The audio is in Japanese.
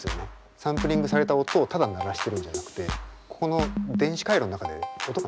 サンプリングされた音をただ鳴らしてるんじゃなくてここの電子回路の中で音が鳴っているっていう。